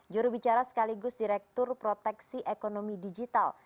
juru bicara sekaligus direktur proteksi ekonomi digital